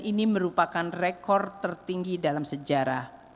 ini merupakan rekor tertinggi dalam sejarah